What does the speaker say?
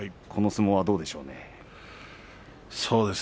この相撲はどうでしょうか。